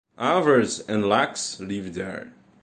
Avars and Laks live there.